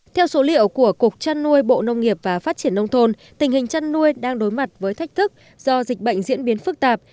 theo số liệu của cục chăn nuôi bộ nông nghiệp và phát triển nông thôn tình hình chăn nuôi đang đối mặt với thách thức do dịch bệnh diễn biến phức tạp